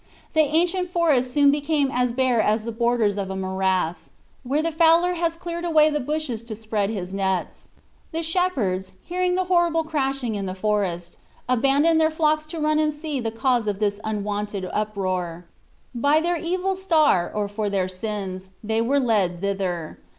The ancient forest soon became as bare as the borders of a morass, where the fowler has cleared away the bushes to spread his nets. The shepherds, hearing the horrible crashing in the forest, abandoned their flocks to run and see the cause of this unwonted uproar. By their evil star, or for their sins, they were led thither.